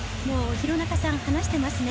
廣中さん、話してますね。